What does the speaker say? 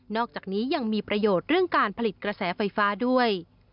อกจากนี้ยังมีประโยชน์เรื่องการผลิตกระแสไฟฟ้าด้วย